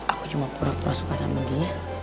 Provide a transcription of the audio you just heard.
aku cuma pura pura suka sama dia